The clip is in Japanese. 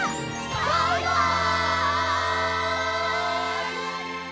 バイバイ！